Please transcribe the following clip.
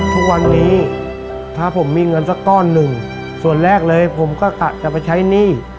ทุกวันนี้ถ้าผมมีเงินสักก้อนหนึ่งส่วนแรกเลยผมก็กะจะไปใช้หนี้